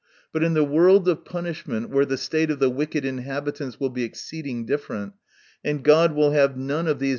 But in the world of punishment, where the state of the wick ed inhabitants will be exceeding different, and God will have none of these THE NATURE OF VIRTUE.